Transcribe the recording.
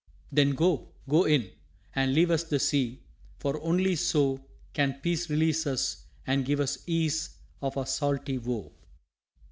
Then go, go in! and leave us the sea, For only so Can peace release us and give us ease Of our salty woe.